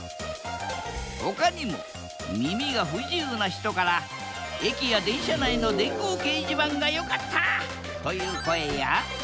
ほかにも耳が不自由な人から駅や電車内の電光掲示板が良かったという声や。